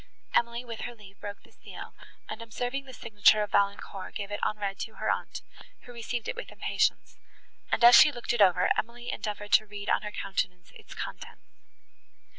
Emily, with her leave, broke the seal, and, observing the signature of Valancourt, gave it unread to her aunt, who received it with impatience; and, as she looked it over, Emily endeavoured to read on her countenance its contents.